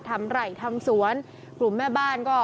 ไหล่ทำสวนกลุ่มแม่บ้านก็